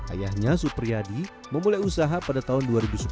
ayahnya supriyadi memulai usaha pada tahun dua ribu sepuluh